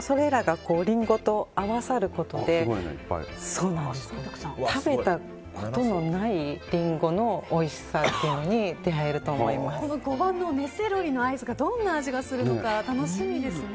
それらがリンゴと合わさることで食べたことのないリンゴのおいしさというのに５番の根セロリのアイスがどんな味がするのか楽しみですね。